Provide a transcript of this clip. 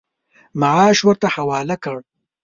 معاش ورته حواله کړ.